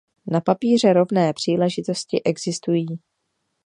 Na papíře rovné příležitosti existují.